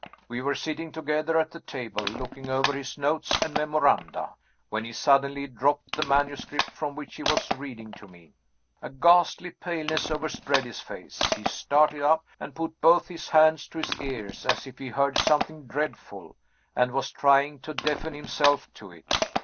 We were sitting together at the table, looking over his notes and memoranda, when he suddenly dropped the manuscript from which he was reading to me. A ghastly paleness overspread his face. He started up, and put both his hands to his ears as if he heard something dreadful, and was trying to deafen himself to it.